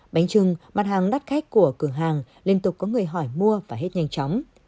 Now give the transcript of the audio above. bánh trưng mặt hàng đắt khách của cửa hàng liên tục có người hỏi mua và hết nhanh chóng